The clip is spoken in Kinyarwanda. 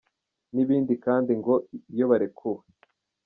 n΄ibindi, kandi ngo iyo barekuwe.